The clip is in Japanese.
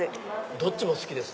どっちも好きです。